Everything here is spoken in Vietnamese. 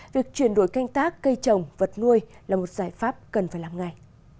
việc chuyển đổi canh tác cây trồng vật nuôi là một giải pháp cần phải làm ngay